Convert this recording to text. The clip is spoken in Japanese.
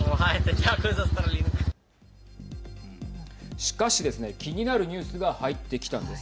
しかしですね、気になるニュースが入ってきたんです。